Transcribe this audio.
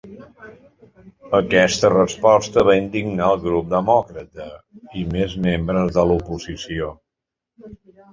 Aquesta resposta va indignar el grup demòcrata i més membres de l’oposició.